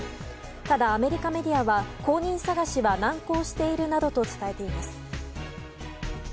ただ、アメリカメディアは後任探しは難航しているなどと伝えています。